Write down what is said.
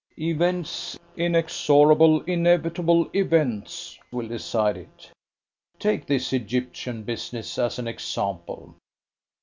"Events inexorable, inevitable events will decide it. Take this Egyptian business as an example.